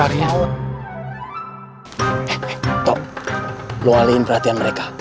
eh eh tok lu alihin perhatian mereka